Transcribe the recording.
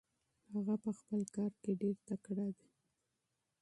هغه په خپل کار کې ډېر تکړه دی.